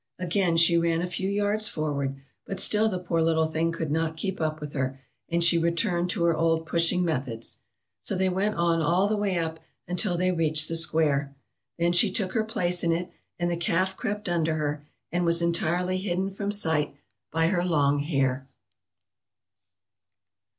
Again she ran a few yards forward, but still the poor little thing could not keep up with her, and she returned to her old pushing methods. So they went on all the way up until they reached the square. Then she took her place in it, and the calf crept under her, and was entirely hidden from sight by her long hair."